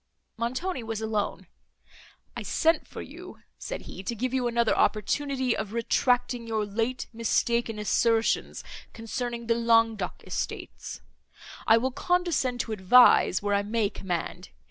Montoni was alone. "I sent for you," said he, "to give you another opportunity of retracting your late mistaken assertions concerning the Languedoc estates. I will condescend to advise, where I may command.